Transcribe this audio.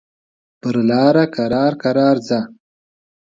پر لاره کرار کرار ځه.